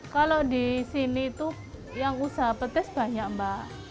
kalau disini itu yang usaha petis banyak mbak